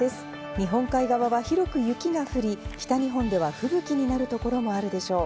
日本海側は広く雪が降り、北日本では吹雪になる所もあるでしょう。